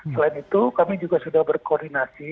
selain itu kami juga sudah berkoordinasi